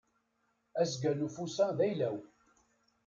Asga n ufus-a d ayla-w.